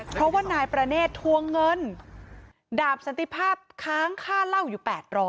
เพราะว่านายประเนธทวงเงินดาบสันติภาพค้างค่าเหล้าอยู่๘๐๐